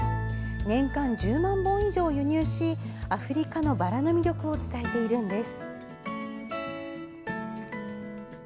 年間１０万本以上を輸入しアフリカのバラの魅力を伝えているんです。